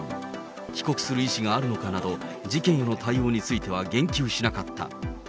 帰国する意思があるのかなど、事件への対応については言及しなかった。